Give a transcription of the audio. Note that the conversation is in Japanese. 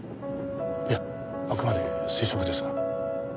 いやあくまで推測ですが。